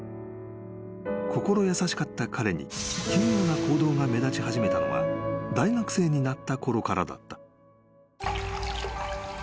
［心優しかった彼に奇妙な行動が目立ち始めたのは大学生になったころからだった］